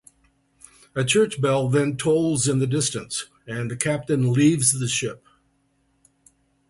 A church bell then tolls in the distance, and the Captain leaves the ship.